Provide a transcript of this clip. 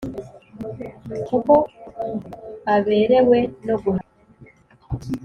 kuko aberewe no guheka.